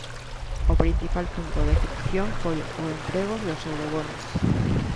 O principal punto de fricción foi o empregos dos Eurobonos.